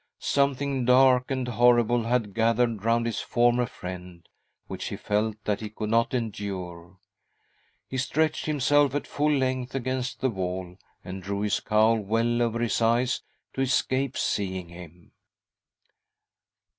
Something dark and horrible had gathered round his former friend, which he felt that he could not endure. He stretched himself at full length against the wall, and drew his cowl well. over his eyes to escape seeing him.